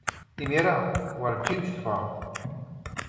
Imir-a, werǧin tteffɣeɣ.